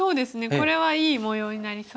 これはいい模様になりそうです。